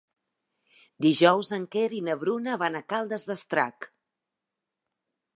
Dijous en Quer i na Bruna van a Caldes d'Estrac.